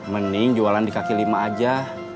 mending jualan di kaki lima aja